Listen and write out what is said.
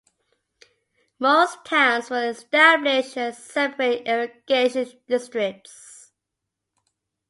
Most towns were established as separate irrigation districts.